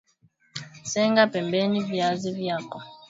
tenga pembeni viazi vyako